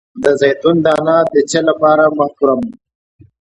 د زیتون دانه د څه لپاره مه خورم؟